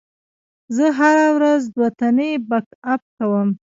زه هره ورځ دوتنې بک اپ کوم.